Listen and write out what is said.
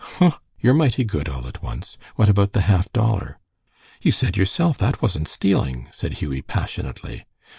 "Huh! you're mighty good all at once. What about that half dollar?" "You said yourself that wasn't stealing," said Hughie, passionately.